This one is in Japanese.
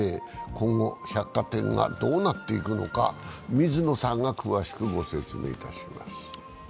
今後百貨店はどうなっていくのか、水野さんが詳しくご説明いたします。